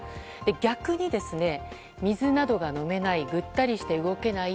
逆に、水などが飲めないぐったりして動けない